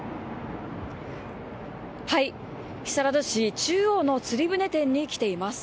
木更津市中央のつり舟店に来ています。